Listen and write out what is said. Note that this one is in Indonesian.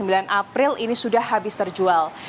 dan april ini sudah habis terjual